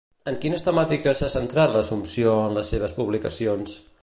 En quines temàtiques s'ha centrat l'Assumpció en les seves publicacions?